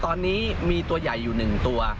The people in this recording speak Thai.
ตอนนี้มีตัวใหญ่อยู่๑ตัว